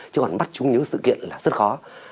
chứ còn bắt chúng nhớ sự kiện là rất khó